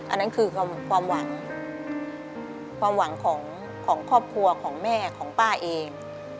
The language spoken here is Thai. อันนั้นคือความหวังความหวังของครอบครัวของแม่ของป้าเอง